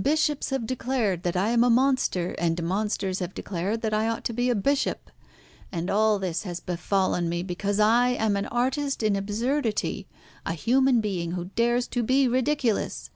Bishops have declared that I am a monster, and monsters have declared that I ought to be a bishop. And all this has befallen me because I am an artist in absurdity, a human being who dares to be ridiculous.